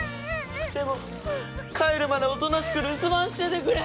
でも帰るまでおとなしく留守番しててくれ。